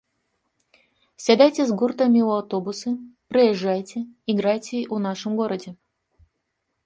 Сядайце з гуртамі ў аўтобусы прыязджайце і грайце ў нашым горадзе.